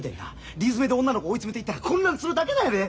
理詰めで女の子追い詰めていったら混乱するだけなんやで！